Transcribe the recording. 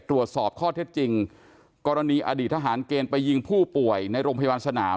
ตรวจสอบข้อเท็จจริงกรณีอดีตทหารเกณฑ์ไปยิงผู้ป่วยในโรงพยาบาลสนาม